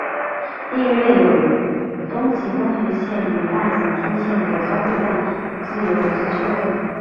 地域内有东急东横线与大井町线的交会站自由之丘站。